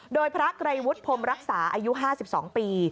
โดยพระไกรวุฒิพรมรักษาอายุ๕๒ปี